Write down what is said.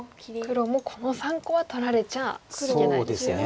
黒もこの３個は取られちゃいけないんですよね。